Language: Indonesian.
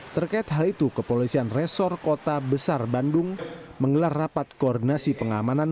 terkait hal itu kepolisian resor kota besar bandung menggelar rapat koordinasi pengamanan